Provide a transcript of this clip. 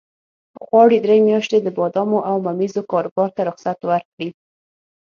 غواړي درې میاشتې د بادامو او ممیزو کاروبار ته رخصت ورکړي.